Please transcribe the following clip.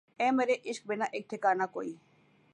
اے مرے عشق بنا ایک ٹھکانہ کوئی